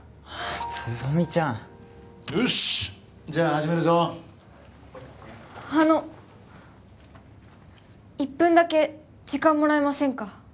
蕾未ちゃんよしっじゃあ始めるぞあの１分だけ時間もらえませんか？